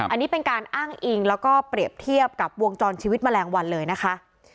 อันนี้เป็นการอ้างอิงแล้วก็เปรียบเทียบกับวงจรชีวิตแมลงวันเลยนะคะ